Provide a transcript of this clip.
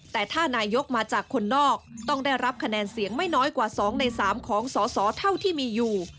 แต่ถ้านายกมาจากคนนอกต้องได้รับคะแนนเสียงไม่น้อยกว่า๒ใน๓ของสอสอเท่าที่มีอยู่